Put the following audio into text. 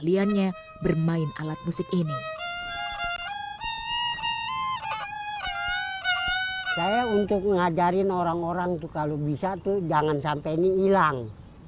saya untuk mengajarin orang orang tuh kalau bisa tuh jangan sampai ini hilang